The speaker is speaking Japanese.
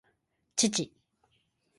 父